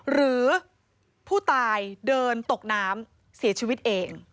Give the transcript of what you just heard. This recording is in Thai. หรือผู้ตายเดินตกน้ำเสียชีวิตเอง